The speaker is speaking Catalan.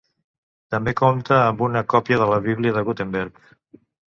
També compta amb una còpia de la Bíblia de Gutenberg.